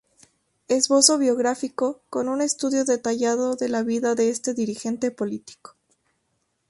Esbozo biográfico" con un estudio detallado de la vida de este dirigente político.